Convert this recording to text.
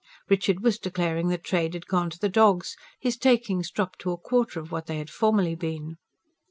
Richard was declaring that trade had gone to the dogs, his takings dropped to a quarter of what they had formerly been.